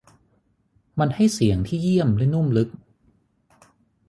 มันให้เสียงที่เยี่ยมและนุ่มลึก